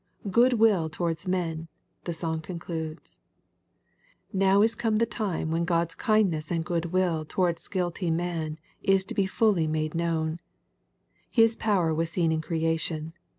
" Good will towards men 1'' the song concludes. Now is come the time when God's kindness and good wiU towards guilty man is to be fully made known. His power was seen in creation.